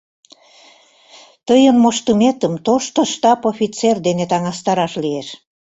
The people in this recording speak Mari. — Тыйын моштыметым тошто штаб-офицер дене таҥастараш лиеш.